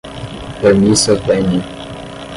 permissa venia